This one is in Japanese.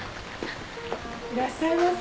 いらっしゃいませ。